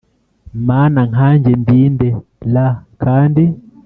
Mana nkanjye ndi nde r kandi